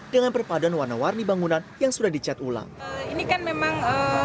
dengan perpadan warna warni bangunan yang sudah dicat ulang